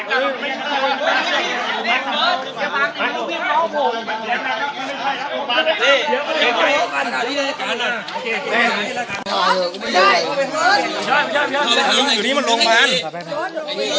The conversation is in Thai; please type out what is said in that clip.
ไอ้บาร์ส